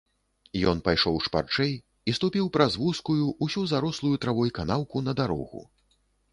Ён пайшоў шпарчэй і ступіў праз вузкую, усю зарослую травой канаўку на дарогу.